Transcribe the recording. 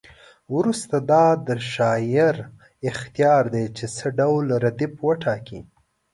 وروسته دا د شاعر اختیار دی چې څه ډول ردیف وټاکي.